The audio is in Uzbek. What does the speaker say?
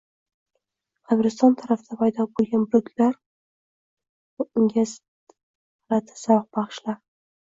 Qabriston tarafda laydo bo'lgan bulutlar unga g'alati zavq bag'ishlar